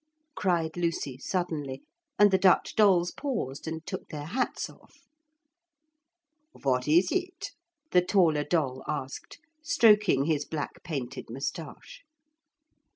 cried Lucy suddenly, and the Dutch dolls paused and took their hats off. 'What is it?' the taller doll asked, stroking his black painted moustache.